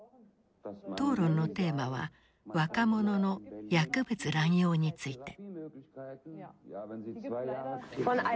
討論のテーマは若者の薬物乱用について。